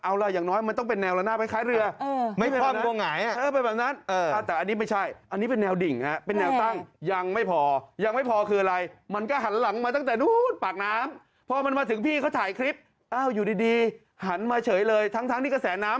เอาล่ะอย่างน้อยมันต้องเป็นแนวละน่ะคล้ายเหลือ